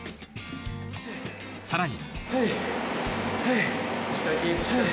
さらに。